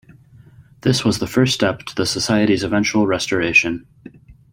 This was the first step to the Society's eventual restoration.